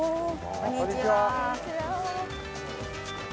こんにちは。